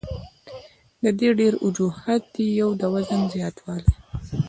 د دې ډېر وجوهات دي يو د وزن زياتوالے ،